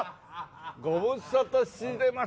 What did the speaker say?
ご無沙汰してます。